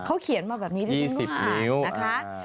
เขาเขียนมาแบบนี้ที่ฉันก็อ่านนะคะ